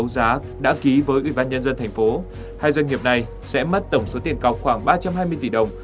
giá đã ký với ubnd tp hai doanh nghiệp này sẽ mất tổng số tiền cọc khoảng ba trăm hai mươi tỷ đồng